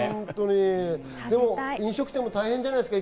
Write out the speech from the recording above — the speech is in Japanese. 飲食店も大変じゃないですか？